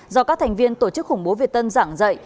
do các thành viên tổ chức khủng bố việt tân giảng dạy